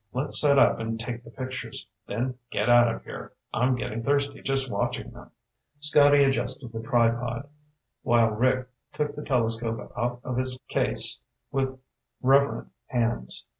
"Let's set up and take the pictures, then get out of here. I'm getting thirsty just watching them." Scotty adjusted the tripod, while Rick took the telescope out of its case with reverent hands.